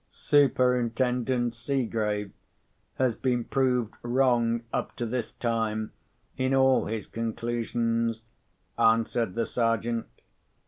"Superintendent Seegrave has been proved wrong, up to this time, in all his conclusions," answered the Sergeant.